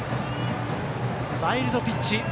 ワイルドピッチ。